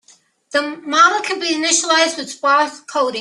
The model can be initialized with sparse coding.